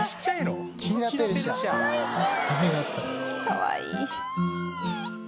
かわいい。